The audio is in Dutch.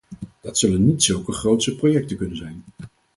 Dat zullen niet zulke grootse projecten kunnen zijn.